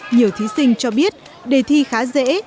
nhiều thí sinh cho biết đề thi khá dễ